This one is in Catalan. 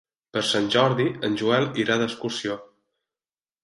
Per Sant Jordi en Joel irà d'excursió.